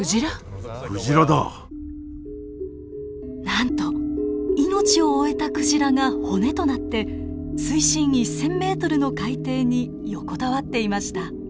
なんと命を終えたクジラが骨となって水深１，０００ｍの海底に横たわっていました。